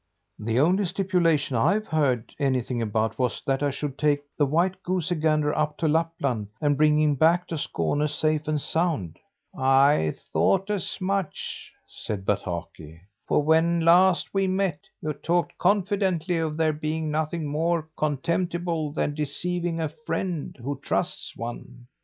"The only stipulation I've heard anything about was that I should take the white goosey gander up to Lapland and bring him back to Skåne, safe and sound." "I thought as much," said Bataki; "for when last we met, you talked confidently of there being nothing more contemptible than deceiving a friend who trusts one.